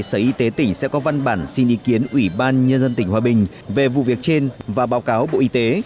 sở y tế tỉnh sẽ có văn bản xin ý kiến ủy ban nhân dân tỉnh hòa bình về vụ việc trên và báo cáo bộ y tế